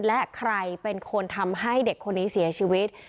และใครเป็นคนทำให้เด็กคนนี้เสียชีวิต